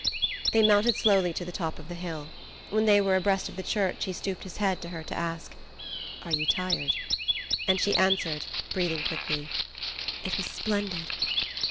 They mounted slowly to the top of the hill. When they were abreast of the church he stooped his head to her to ask: "Are you tired?" and she answered, breathing quickly: "It was splendid!"